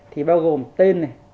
thì bao gồm tên này